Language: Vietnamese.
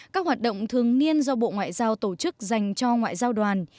các hoạt động thường niên do bộ ngoại giao tổ chức dành cho ngoại giao đoàn